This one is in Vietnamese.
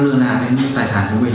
ở trên này